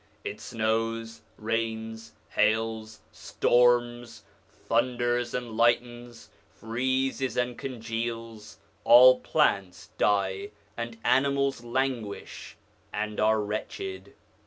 It snows, rains, hails, storms, thunders and lightens, freezes and congeals ; all plants die, and animals languish and are wretched.